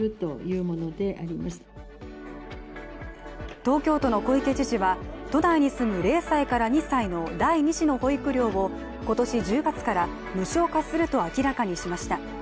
東京都の小池知事は都内に住む０歳から２歳の第２子の保育料を今年１０月から無償化すると明らかにしました。